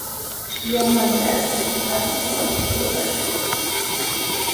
Llapallanchik hatun wasi rurashun.